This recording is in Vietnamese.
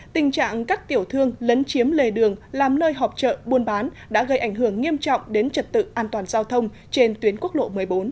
tình trạng các tiểu thương lấn chiếm lề đường làm nơi họp chợ buôn bán đã gây ảnh hưởng nghiêm trọng đến trật tự an toàn giao thông trên tuyến quốc lộ một mươi bốn